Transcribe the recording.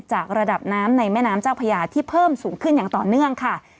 ระดับน้ำในแม่น้ำเจ้าพญาที่เพิ่มสูงขึ้นอย่างต่อเนื่องค่ะ